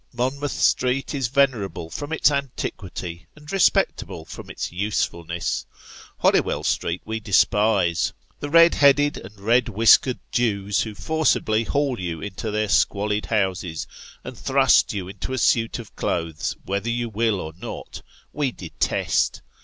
Monmouth Street is venerable from its antiquity, and respectable from its usefulness. Holywell Street we despise ; the red headed and red whiskered Jews who forcibly haul you into their squalid houses, and thrust you into a suit of clothes, whether you will or not, we detest.